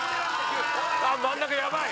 あっ真ん中やばい。